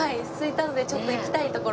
あっ行きたいところ？